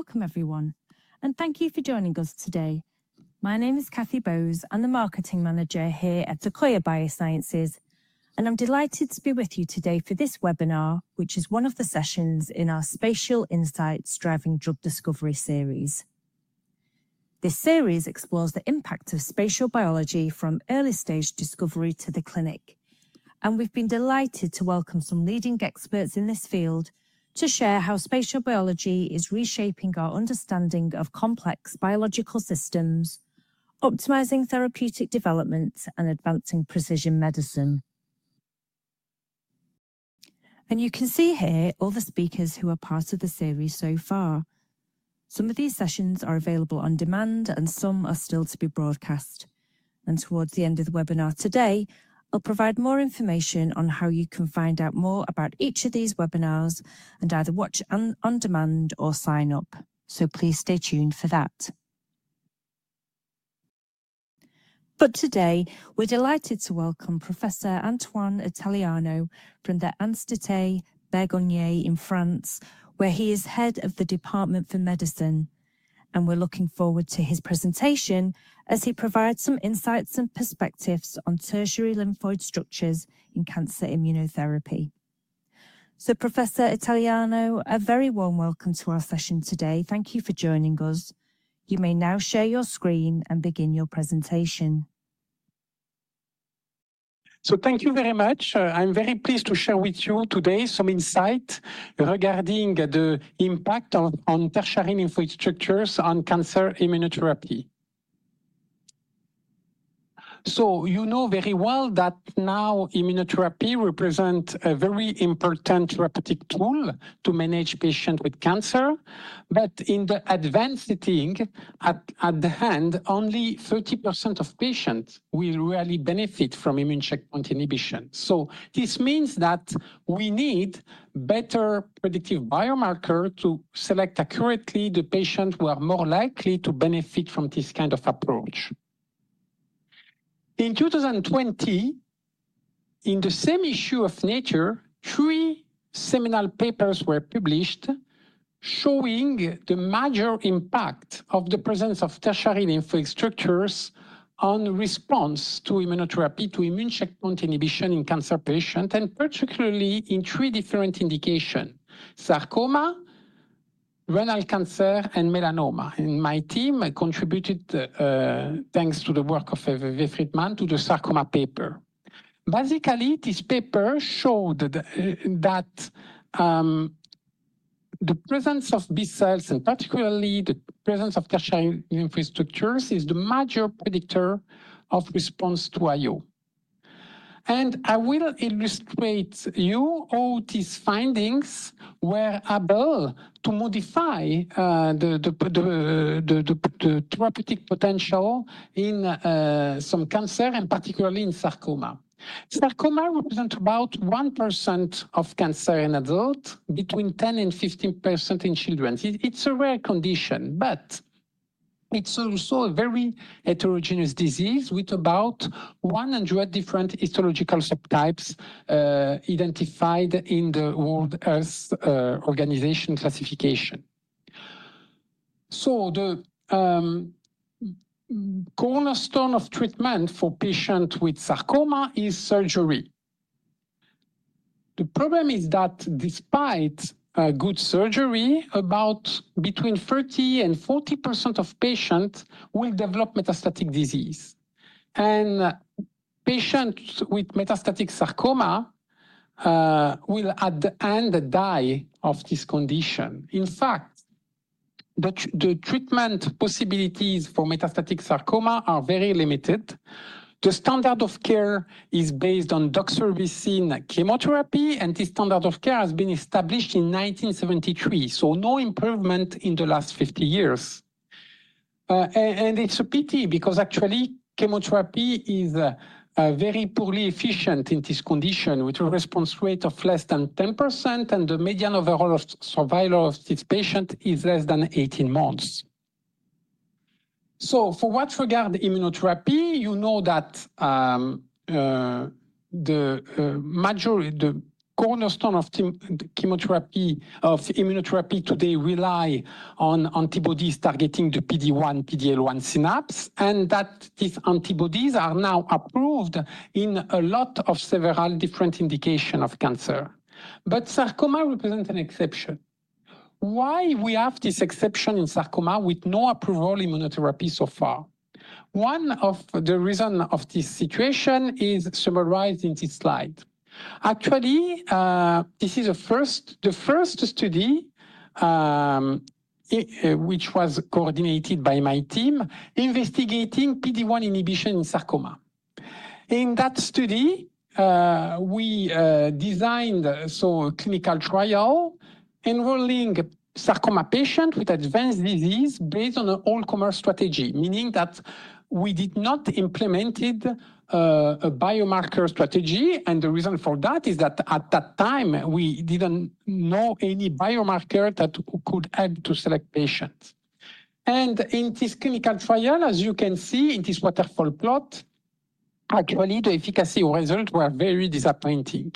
Welcome, everyone, and thank you for joining us today. My name is Cathy Bowes, I'm the Marketing Manager here at Akoya Biosciences, and I'm delighted to be with you today for this webinar, which is one of the sessions in our Spatial Insights Driving Drug Discovery Series. This series explores the impact of spatial biology from early-stage discovery to the clinic, and we've been delighted to welcome some leading experts in this field to share how spatial biology is reshaping our understanding of complex biological systems, optimizing therapeutic development, and advancing precision medicine. You can see here all the speakers who are part of the series so far. Some of these sessions are available on demand, and some are still to be broadcast. Towards the end of the webinar today, I'll provide more information on how you can find out more about each of these webinars and either watch on demand or sign up, so please stay tuned for that. Today, we're delighted to welcome Professor Antoine Italiano from the Institut Bergonié in France, where he is Head of the Department of Medicine, and we're looking forward to his presentation as he provides some insights and perspectives on tertiary lymphoid structures in cancer immunotherapy. Professor Italiano, a very warm welcome to our session today. Thank you for joining us. You may now share your screen and begin your presentation. Thank you very much. I'm very pleased to share with you today some insights regarding the impact on tertiary lymphoid structures on cancer immunotherapy. You know very well that now immunotherapy represents a very important therapeutic tool to manage patients with cancer, but in the advanced setting at the end, only 30% of patients will really benefit from immune checkpoint inhibition. This means that we need better predictive biomarkers to select accurately the patients who are more likely to benefit from this kind of approach. In 2020, in the same issue of Nature, three seminal papers were published showing the major impact of the presence of tertiary lymphoid structures on response to immunotherapy to immune checkpoint inhibition in cancer patients, and particularly in three different indications: sarcoma, renal cancer, and melanoma. My team contributed, thanks to the work of Wolf H. Fridman, to the sarcoma paper. Basically, this paper showed that the presence of B cells, and particularly the presence of tertiary lymphoid structures, is the major predictor of response to IO. I will illustrate to you how these findings were able to modify the therapeutic potential in some cancers, and particularly in sarcoma. Sarcoma represents about 1% of cancer in adults, between 10% and 15% in children. It is a rare condition, but it is also a very heterogeneous disease with about 100 different histological subtypes identified in the World Health Organization classification. The cornerstone of treatment for patients with sarcoma is surgery. The problem is that despite good surgery, about between 30% and 40% of patients will develop metastatic disease, and patients with metastatic sarcoma will at the end die of this condition. In fact, the treatment possibilities for metastatic sarcoma are very limited. The standard of care is based on doxorubicin chemotherapy, and this standard of care has been established in 1973, so no improvement in the last 50 years. It is a pity because actually chemotherapy is very poorly efficient in this condition, with a response rate of less than 10%, and the median overall survival of this patient is less than 18 months. For what regard immunotherapy, you know that the cornerstone of immunotherapy today relies on antibodies targeting the PD-1, PD-L1 synapse, and that these antibodies are now approved in a lot of several different indications of cancer. Sarcoma represents an exception. Why do we have this exception in sarcoma with no approval immunotherapy so far? One of the reasons for this situation is summarized in this slide. Actually, this is the first study which was coordinated by my team investigating PD-1 inhibition in sarcoma. In that study, we designed a clinical trial enrolling a sarcoma patient with advanced disease based on an old commerce strategy, meaning that we did not implement a biomarker strategy, and the reason for that is that at that time, we did not know any biomarker that could help to select patients. In this clinical trial, as you can see in this waterfall plot, actually the efficacy results were very disappointing.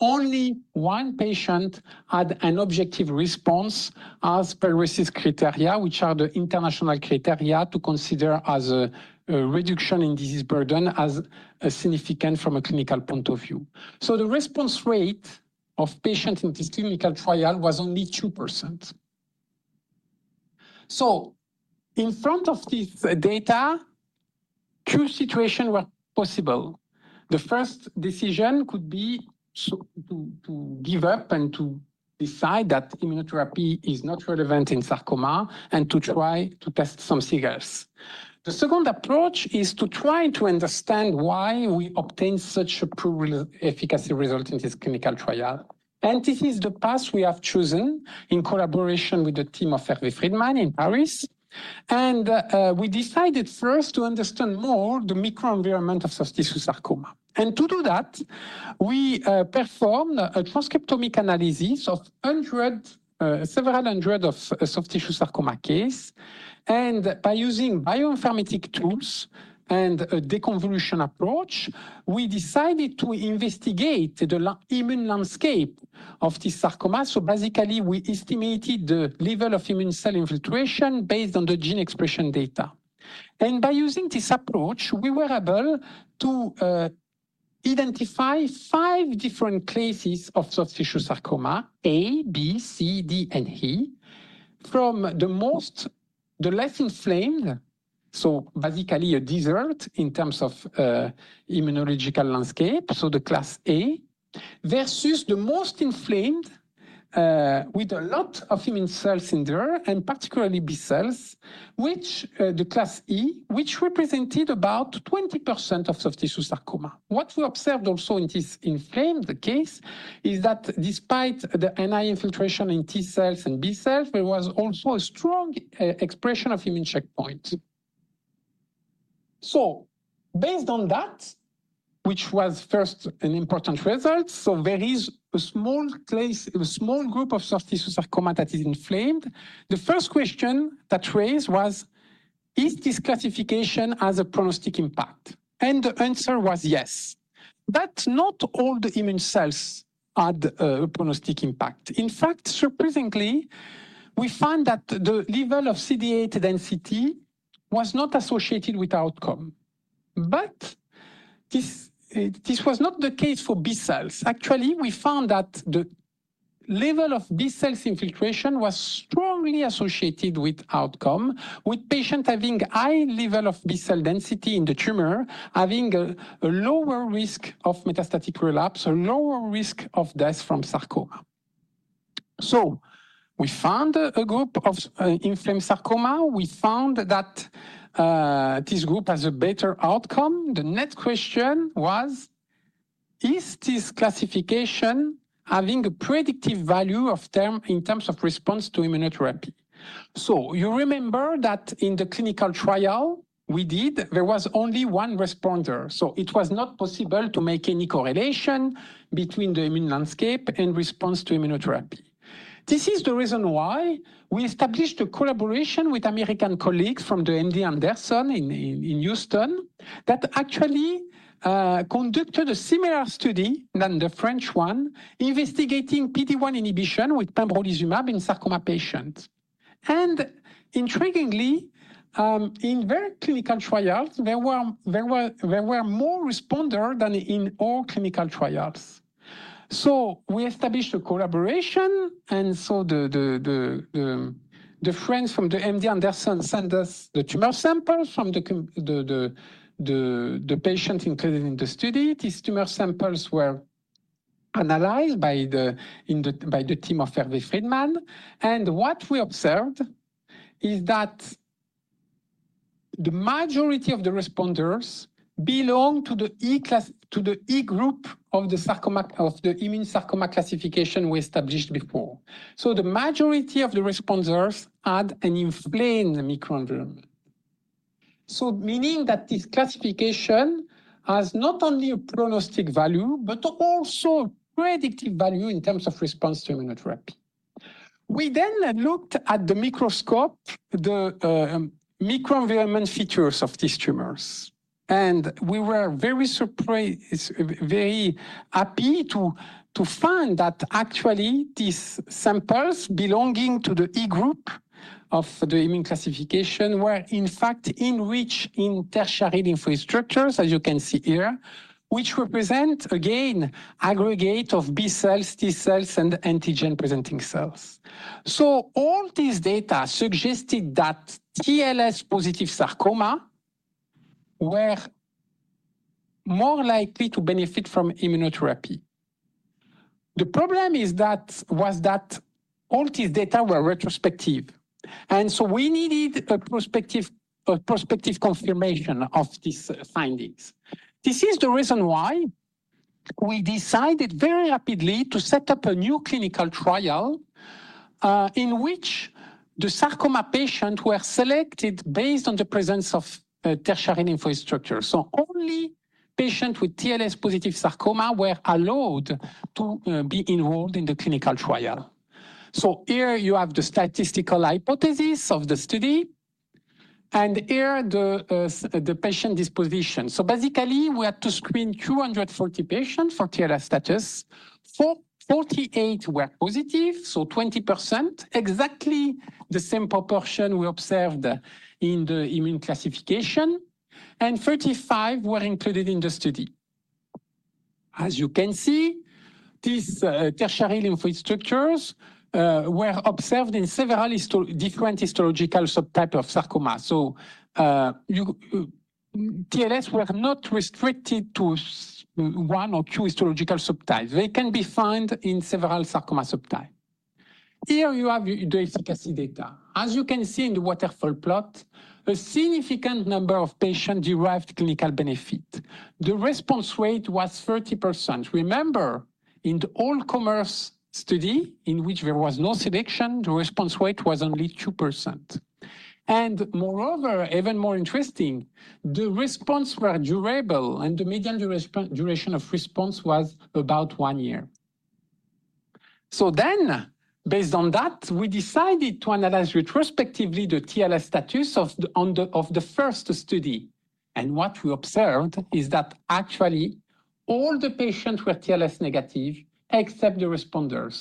Only one patient had an objective response as per RECIST criteria, which are the international criteria to consider a reduction in disease burden as significant from a clinical point of view. The response rate of patients in this clinical trial was only 2%. In front of this data, two situations were possible. The first decision could be to give up and to decide that immunotherapy is not relevant in sarcoma and to try to test some seagulls. The second approach is to try to understand why we obtained such a poor efficacy result in this clinical trial. This is the path we have chosen in collaboration with the team of Wolf H. Fridman in Paris, and we decided first to understand more the microenvironment of soft tissue sarcoma. To do that, we performed a transcriptomic analysis of several hundred soft tissue sarcoma cases, and by using bioinformatic tools and a deconvolution approach, we decided to investigate the immune landscape of this sarcoma. Basically, we estimated the level of immune cell infiltration based on the gene expression data. By using this approach, we were able to identify five different cases of soft tissue sarcoma: A, B, C, D, and E, from the less inflamed, so basically a desert in terms of immunological landscape, so the class A, versus the most inflamed with a lot of immune cells in there, and particularly B cells, which is the class E, which represented about 20% of soft tissue sarcoma. What we observed also in this inflamed case is that despite the high infiltration in T cells and B cells, there was also a strong expression of immune checkpoint. Based on that, which was first an important result, there is a small group of soft tissue sarcoma that is inflamed. The first question that raised was, does this classification have a prognostic impact? The answer was yes, but not all the immune cells had a prognostic impact. In fact, surprisingly, we found that the level of CD8 density was not associated with outcome, but this was not the case for B cells. Actually, we found that the level of B cells infiltration was strongly associated with outcome, with patients having a high level of B cell density in the tumor, having a lower risk of metastatic relapse, a lower risk of death from sarcoma. We found a group of inflamed sarcoma. We found that this group has a better outcome. The next question was, is this classification having a predictive value in terms of response to immunotherapy? You remember that in the clinical trial we did, there was only one responder, so it was not possible to make any correlation between the immune landscape and response to immunotherapy. This is the reason why we established a collaboration with American colleagues from the MD Anderson in Houston that actually conducted a similar study than the French one investigating PD-1 inhibition with pembrolizumab in sarcoma patients. Intriguingly, in very clinical trials, there were more responders than in all clinical trials. We established a collaboration, and the friends from the MD Anderson sent us the tumor samples from the patients included in the study. These tumor samples were analyzed by the team of Wolf H. Fridman, and what we observed is that the majority of the responders belong to the E group of the immune sarcoma classification we established before. The majority of the responders had an inflamed microenvironment, meaning that this classification has not only a prognostic value, but also a predictive value in terms of response to immunotherapy. We then looked at the microenvironment features of these tumors, and we were very happy to find that actually these samples belonging to the E group of the immune classification were in fact enriched in tertiary lymphoid structures, as you can see here, which represent again aggregates of B cells, T cells, and antigen-presenting cells. All these data suggested that TLS-positive sarcoma were more likely to benefit from immunotherapy. The problem was that all these data were retrospective, and we needed a prospective confirmation of these findings. This is the reason why we decided very rapidly to set up a new clinical trial in which the sarcoma patients were selected based on the presence of tertiary lymphoid structures. Only patients with TLS-positive sarcoma were allowed to be enrolled in the clinical trial. Here you have the statistical hypothesis of the study, and here the patient disposition. Basically, we had to screen 240 patients for TLS status. 48 were positive, so 20%, exactly the same proportion we observed in the immune classification, and 35 were included in the study. As you can see, these tertiary lymphoid structures were observed in several different histological subtypes of sarcoma. TLS were not restricted to one or two histological subtypes. They can be found in several sarcoma subtypes. Here you have the efficacy data. As you can see in the waterfall plot, a significant number of patients derived clinical benefit. The response rate was 30%. Remember, in the old commerce study in which there was no selection, the response rate was only 2%. Moreover, even more interesting, the responses were durable, and the median duration of response was about one year. Then, based on that, we decided to analyze retrospectively the TLS status of the first study. What we observed is that actually all the patients were TLS negative except the responders.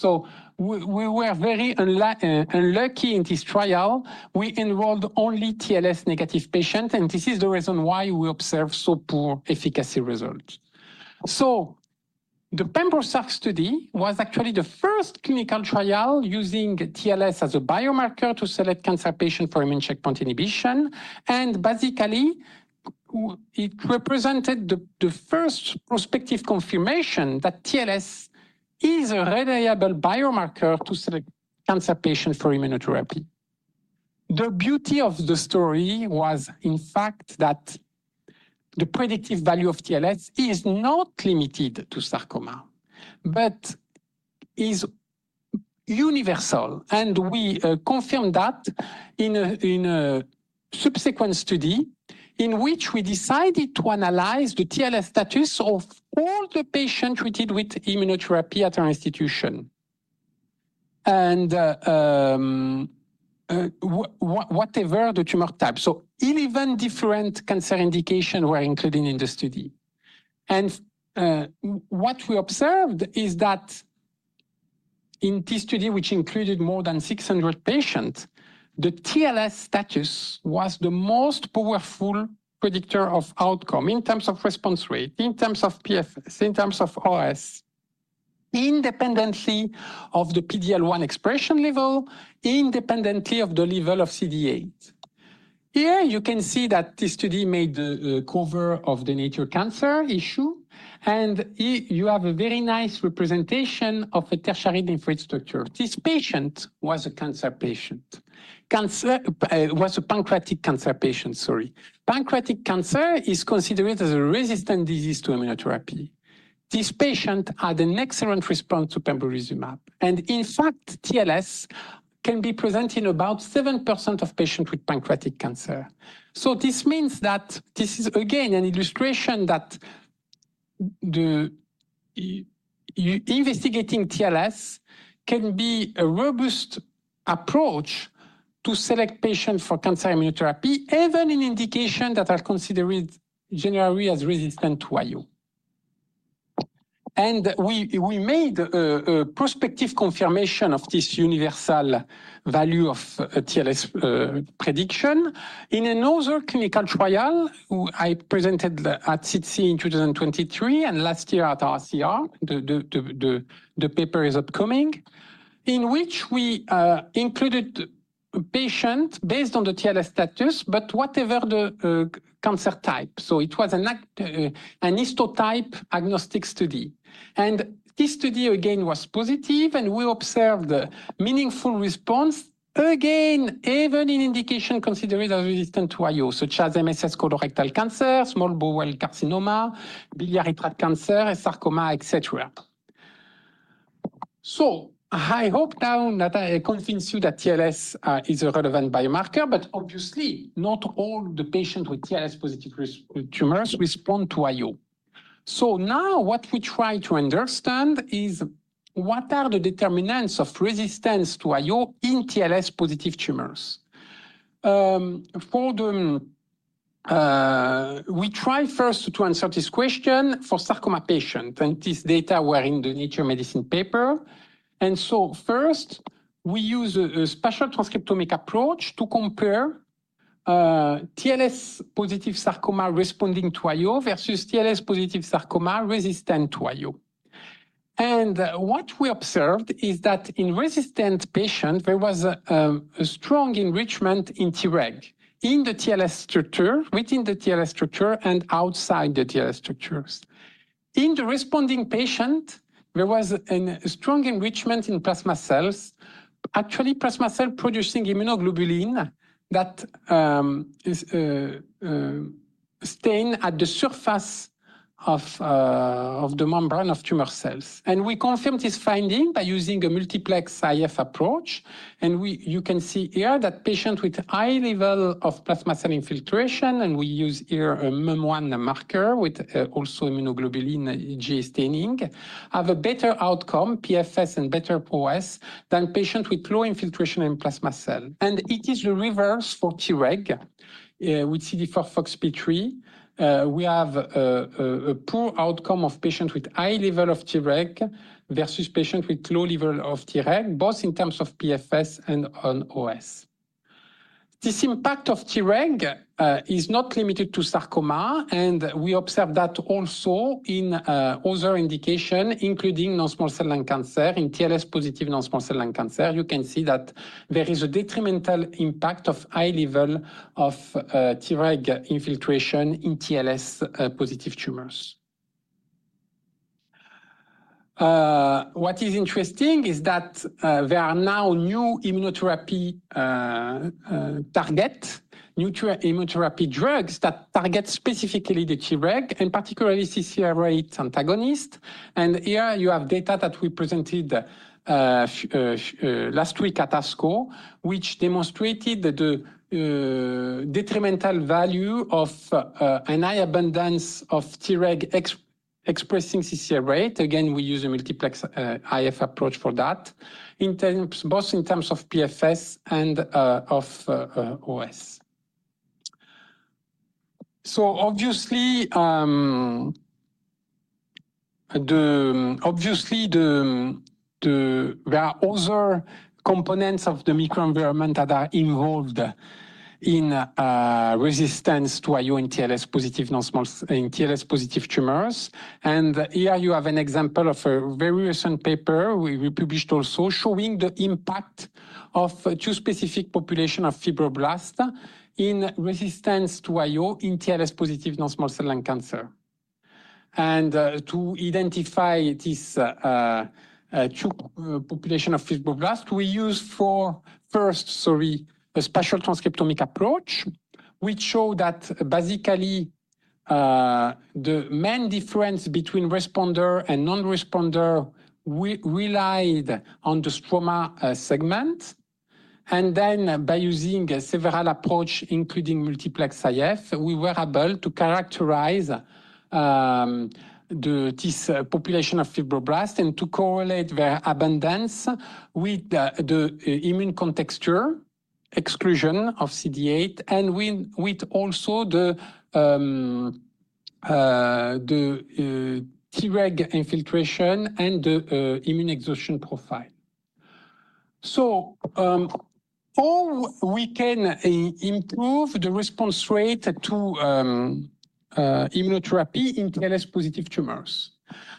We were very unlucky in this trial. We enrolled only TLS negative patients, and this is the reason why we observed so poor efficacy results. The pembrolizumab study was actually the first clinical trial using TLS as a biomarker to select cancer patients for immune checkpoint inhibition, and basically, it represented the first prospective confirmation that TLS is a reliable biomarker to select cancer patients for immunotherapy. The beauty of the story was, in fact, that the predictive value of TLS is not limited to sarcoma, but is universal, and we confirmed that in a subsequent study in which we decided to analyze the TLS status of all the patients treated with immunotherapy at our institution, and whatever the tumor type. Eleven different cancer indications were included in the study. What we observed is that in this study, which included more than 600 patients, the TLS status was the most powerful predictor of outcome in terms of response rate, in terms of PFS, in terms of OS, independently of the PD-L1 expression level, independently of the level of CD8. Here you can see that this study made the cover of the Nature Cancer issue, and you have a very nice representation of a tertiary lymphoid structure. This patient was a cancer patient. It was a pancreatic cancer patient, sorry. Pancreatic cancer is considered as a resistant disease to immunotherapy. This patient had an excellent response to pembrolizumab, and in fact, TLS can be present in about 7% of patients with pancreatic cancer. This means that this is again an illustration that investigating TLS can be a robust approach to select patients for cancer immunotherapy, even in indications that are considered generally as resistant to IU. We made a prospective confirmation of this universal value of TLS prediction in another clinical trial I presented at CDC in 2023 and last year at RCR. The paper is upcoming, in which we included a patient based on the TLS status, but whatever the cancer type. It was a histotype agnostic study, and this study again was positive, and we observed a meaningful response, again, even in indications considered as resistant to IU, such as MSS colorectal cancer, small bowel carcinoma, biliary tract cancer, sarcoma, etc. I hope now that I convinced you that TLS is a relevant biomarker, but obviously, not all the patients with TLS-positive tumors respond to IU. What we try to understand now is what are the determinants of resistance to IU in TLS-positive tumors. We try first to answer this question for sarcoma patients, and this data were in the Nature Medicine paper. First, we use a spatial transcriptomic approach to compare TLS-positive sarcoma responding to IU versus TLS-positive sarcoma resistant to IU. What we observed is that in resistant patients, there was a strong enrichment in Treg in the TLS structure, within the TLS structure, and outside the TLS structures. In the responding patient, there was a strong enrichment in plasma cells, actually plasma cell-producing immunoglobulin that stains at the surface of the membrane of tumor cells. We confirmed this finding by using a multiplex IF approach, and you can see here that patients with high levels of plasma cell infiltration, and we use here a MEM-1 marker with also immunoglobulin G staining, have a better outcome, PFS and better OS than patients with low infiltration in plasma cells. It is the reverse for Treg with CD4 FOXP3. We have a poor outcome of patients with high levels of Treg versus patients with low levels of Treg, both in terms of PFS and on OS. This impact of Treg is not limited to sarcoma, and we observed that also in other indications, including non-small cell lung cancer, in TLS-positive non-small cell lung cancer. You can see that there is a detrimental impact of high levels of Treg infiltration in TLS-positive tumors. What is interesting is that there are now new immunotherapy targets, new immunotherapy drugs that target specifically the Treg, and particularly CCR8 antagonists. Here you have data that we presented last week at ASCO, which demonstrated the detrimental value of a high abundance of Treg expressing CCR8. Again, we use a multiplex IF approach for that, both in terms of PFS and of OS. Obviously, there are other components of the microenvironment that are involved in resistance to IU in TLS-positive tumors. Here you have an example of a very recent paper we published also showing the impact of two specific populations of fibroblasts in resistance to IO in TLS-positive non-small cell lung cancer. To identify these two populations of fibroblasts, we used first, sorry, a spatial transcriptomic approach, which showed that basically the main difference between responders and non-responders relied on the stroma segment. Then by using several approaches, including multiplex IF, we were able to characterize this population of fibroblasts and to correlate their abundance with the immune contextual exclusion of CD8, and also with the Treg infiltration and the immune exhaustion profile. How can we improve the response rate to immunotherapy in TLS-positive tumors?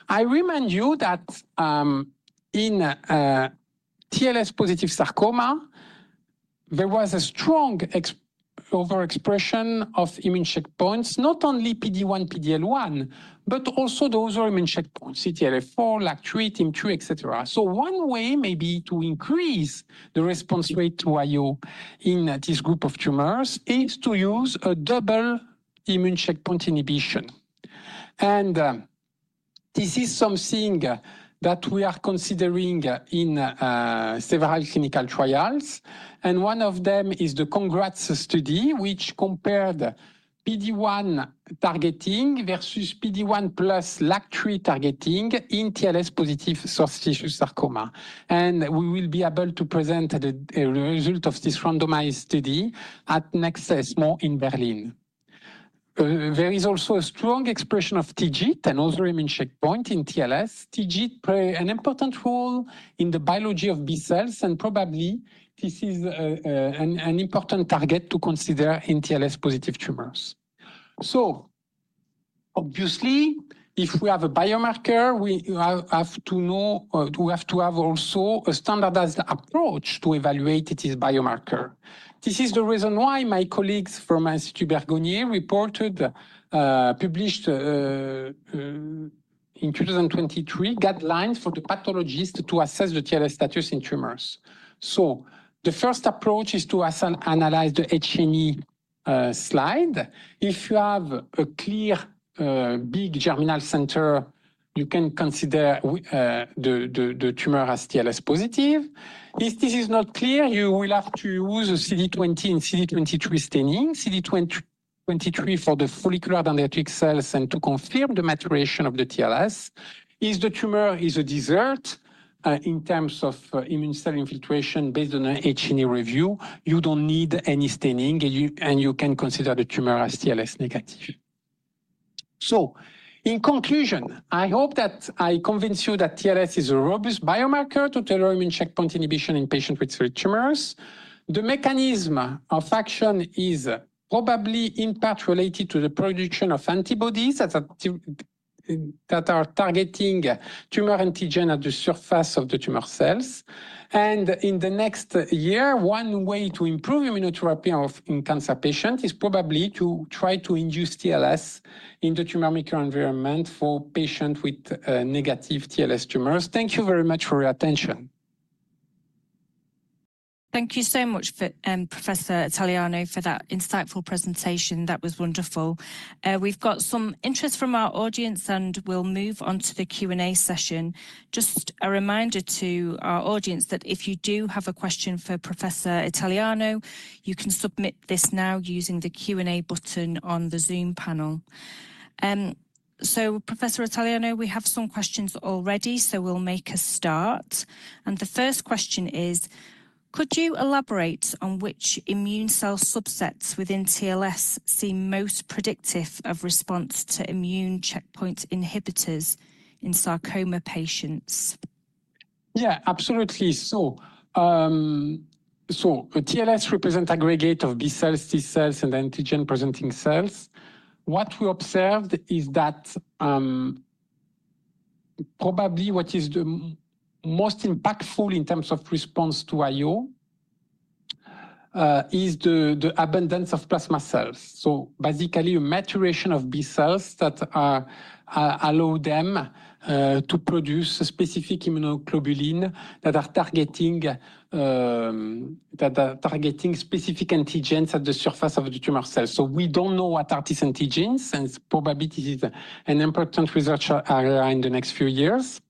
I remind you that in TLS-positive sarcoma, there was a strong overexpression of immune checkpoints, not only PD-1, PD-L1, but also those other immune checkpoints: CTLA-4, LAG-3, TIM-2, etc. One way maybe to increase the response rate to IU in this group of tumors is to use a double immune checkpoint inhibition. This is something that we are considering in several clinical trials, and one of them is the CONGRATS study, which compared PD-1 targeting versus PD-1 plus LAG-3 targeting in TLS-positive suspicious sarcoma. We will be able to present the result of this randomized study at NexSmall in Berlin. There is also a strong expression of TIGIT and other immune checkpoints in TLS. TIGIT plays an important role in the biology of B cells, and probably this is an important target to consider in TLS-positive tumors. Obviously, if we have a biomarker, we have to know, we have to have also a standardized approach to evaluate this biomarker. This is the reason why my colleagues from the Institut Bergonié reported, published in 2023, guidelines for the pathologists to assess the TLS status in tumors. The first approach is to analyze the H&E slide. If you have a clear big germinal center, you can consider the tumor as TLS positive. If this is not clear, you will have to use CD20 and CD23 staining, CD23 for the follicular dendritic cells and to confirm the maturation of the TLS. If the tumor is a desert in terms of immune cell infiltration based on an H&E review, you do not need any staining, and you can consider the tumor as TLS negative. In conclusion, I hope that I convinced you that TLS is a robust biomarker to tell your immune checkpoint inhibition in patients with three tumors. The mechanism of action is probably in part related to the production of antibodies that are targeting tumor antigen at the surface of the tumor cells. In the next year, one way to improve immunotherapy in cancer patients is probably to try to induce TLS in the tumor microenvironment for patients with negative TLS tumors. Thank you very much for your attention. Thank you so much, Professor Italiano, for that insightful presentation. That was wonderful. We've got some interest from our audience, and we'll move on to the Q&A session. Just a reminder to our audience that if you do have a question for Professor Italiano, you can submit this now using the Q&A button on the Zoom panel. Professor Italiano, we have some questions already, so we'll make a start. The first question is, could you elaborate on which immune cell subsets within TLS seem most predictive of response to immune checkpoint inhibitors in sarcoma patients? Yeah, absolutely. TLS represents an aggregate of B cells, T cells, and antigen-presenting cells. What we observed is that probably what is the most impactful in terms of response to IU is the abundance of plasma cells. Basically, a maturation of B cells that allow them to produce a specific immunoglobulin that are targeting specific antigens at the surface of the tumor cells. We do not know what are these antigens, and probably this is an important research area in the next few years.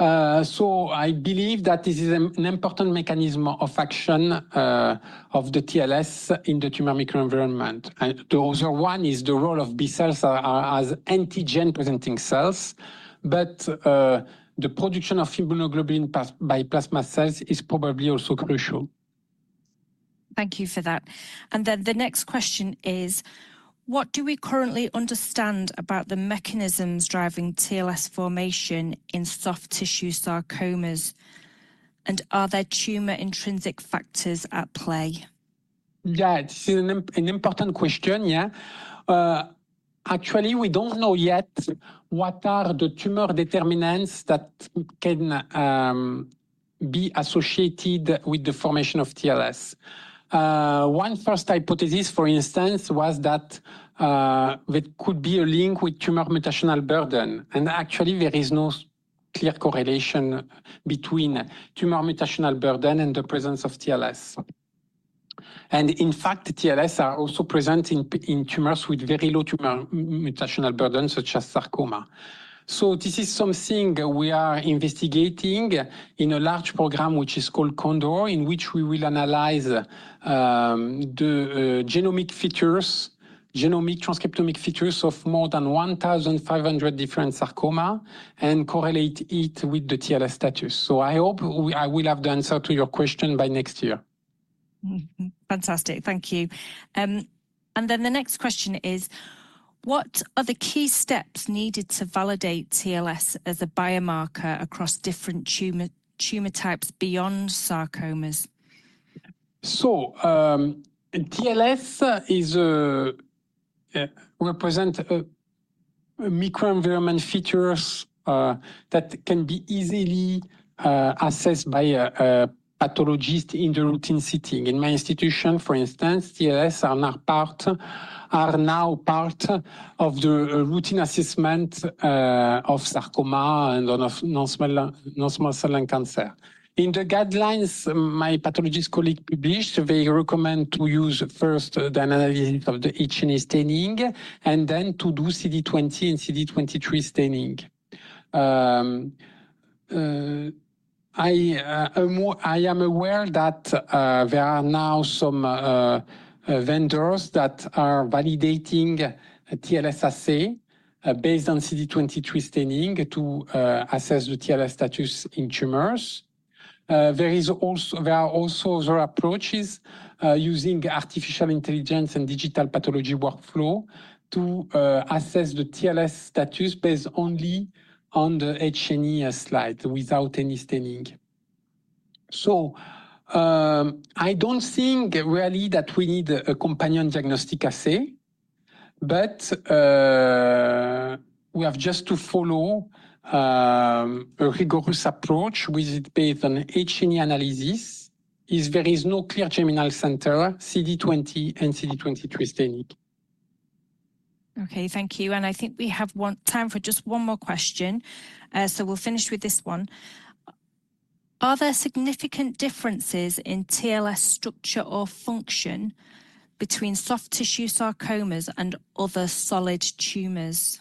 I believe that this is an important mechanism of action of the TLS in the tumor microenvironment. The other one is the role of B cells as antigen-presenting cells, but the production of immunoglobulin by plasma cells is probably also crucial. Thank you for that. The next question is, what do we currently understand about the mechanisms driving TLS formation in soft tissue sarcomas, and are there tumor intrinsic factors at play? Yeah, it's an important question. Actually, we don't know yet what are the tumor determinants that can be associated with the formation of TLS. One first hypothesis, for instance, was that there could be a link with tumor mutational burden. Actually, there is no clear correlation between tumor mutational burden and the presence of TLS. In fact, TLS are also present in tumors with very low tumor mutational burden, such as sarcoma. This is something we are investigating in a large program, which is called ConDoR, in which we will analyze the genomic features, genomic transcriptomic features of more than 1,500 different sarcomas and correlate it with the TLS status. I hope I will have the answer to your question by next year. Fantastic. Thank you. The next question is, what are the key steps needed to validate TLS as a biomarker across different tumor types beyond sarcomas? TLS represents microenvironment features that can be easily assessed by a pathologist in the routine setting. In my institution, for instance, TLS are now part of the routine assessment of sarcoma and of non-small cell lung cancer. In the guidelines my pathologist colleague published, they recommend to use first the analysis of the H&E staining and then to do CD20 and CD23 staining. I am aware that there are now some vendors that are validating TLS assay based on CD23 staining to assess the TLS status in tumors. There are also other approaches using artificial intelligence and digital pathology workflow to assess the TLS status based only on the H&E slide without any staining. I do not think really that we need a companion diagnostic assay, but we have just to follow a rigorous approach with it based on H&E analysis if there is no clear germinal center, CD20 and CD23 staining. Okay, thank you. I think we have time for just one more question. We will finish with this one. Are there significant differences in TLS structure or function between soft tissue sarcomas and other solid tumors?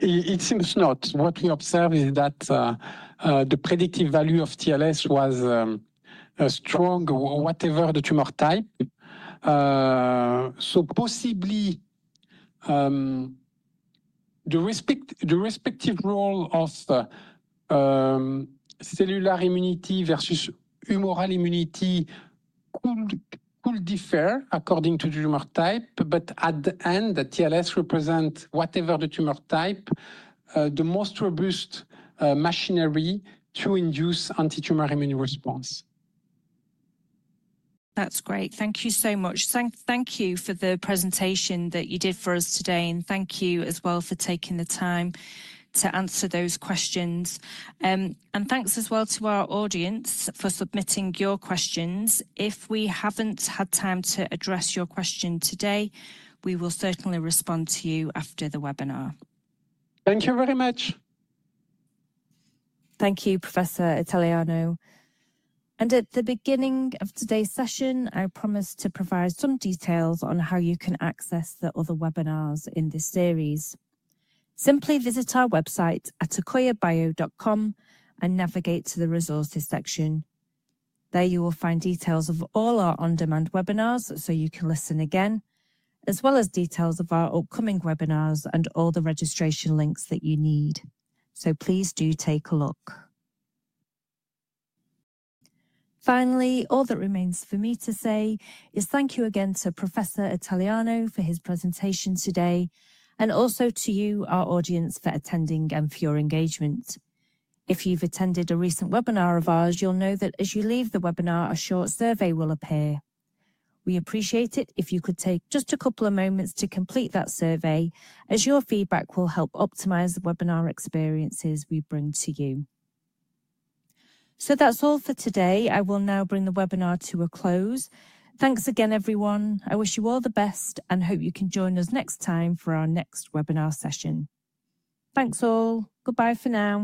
It seems not. What we observed is that the predictive value of TLS was strong, whatever the tumor type. Possibly the respective role of cellular immunity versus humoral immunity could differ according to the tumor type, but at the end, the TLS represents, whatever the tumor type, the most robust machinery to induce anti-tumor immune response. That's great. Thank you so much. Thank you for the presentation that you did for us today, and thank you as well for taking the time to answer those questions. Thanks as well to our audience for submitting your questions. If we have not had time to address your question today, we will certainly respond to you after the webinar. Thank you very much. Thank you, Professor Italiano. At the beginning of today's session, I promised to provide some details on how you can access the other webinars in this series. Simply visit our website at akoyabio.com and navigate to the resources section. There you will find details of all our on-demand webinars so you can listen again, as well as details of our upcoming webinars and all the registration links that you need. Please do take a look. Finally, all that remains for me to say is thank you again to Professor Italiano for his presentation today, and also to you, our audience, for attending and for your engagement. If you've attended a recent webinar of ours, you'll know that as you leave the webinar, a short survey will appear. We appreciate it if you could take just a couple of moments to complete that survey, as your feedback will help optimize the webinar experiences we bring to you. That's all for today. I will now bring the webinar to a close. Thanks again, everyone. I wish you all the best and hope you can join us next time for our next webinar session. Thanks all. Goodbye for now.